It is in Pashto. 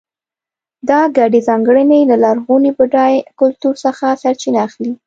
دا ګډې ځانګړنې له لرغوني بډای کلتور څخه سرچینه اخلي.